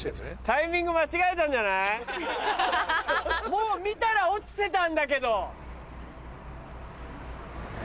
もう見たら落ちてたんだけど！